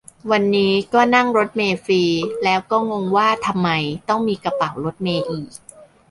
วันนี้ก็นั่งรถเมล์ฟรี แล้วก็งงว่าทำไมต้องมีกระเป๋ารถเมล์อีก